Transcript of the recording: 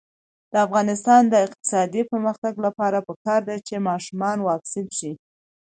د افغانستان د اقتصادي پرمختګ لپاره پکار ده چې ماشومان واکسین شي.